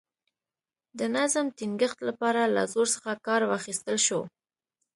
د نظم ټینګښت لپاره له زور څخه کار واخیستل شو.